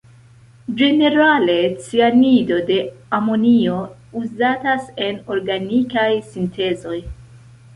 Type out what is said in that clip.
Ĝenerale cianido de amonio uzatas en organikaj sintezoj.